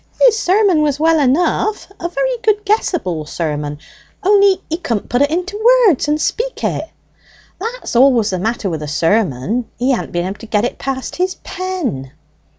"His sermon was well enough, a very good guessable sermon, only he couldn't put it into words and speak it. That's all was the matter wi' the sermon. He hadn't been able to get it past his pen."